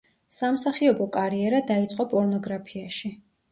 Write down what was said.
სამსახიობო კარიერა დაიწყო პორნოგრაფიაში.